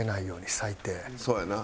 そうやな。